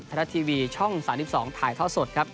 รัฐทีวีช่อง๓๒ถ่ายท่อสดครับ